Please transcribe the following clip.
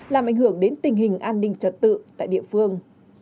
làm ảnh hưởng đến tình hình an ninh trật tự tại địa phương